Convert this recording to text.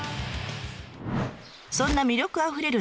そんな魅力あふれる